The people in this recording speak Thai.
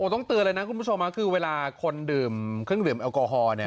ต้องเตือนเลยนะคุณผู้ชมคือเวลาคนดื่มเครื่องดื่มแอลกอฮอล